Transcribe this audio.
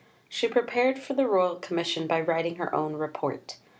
She prepared for the Royal Commission by writing her own Report.